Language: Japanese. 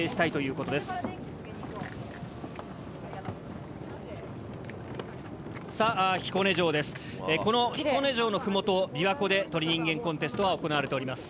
この彦根城のふもと琵琶湖で『鳥人間コンテスト』は行われております。